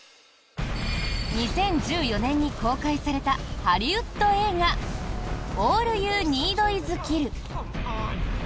２０１４年に公開されたハリウッド映画「オール・ユー・ニード・イズ・キル」。